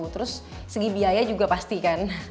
terus segi biaya juga pasti kan